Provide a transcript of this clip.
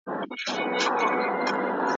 کلونه مي پر لار د انتظار کړلې شپې سپیني ,